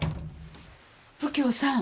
右京さん。